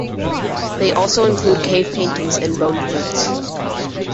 They also include cave paintings and bone flutes.